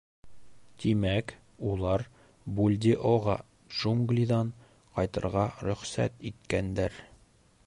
— Тимәк, улар Бульдеоға джунглиҙан ҡайтырға рөхсәт иткәндәр.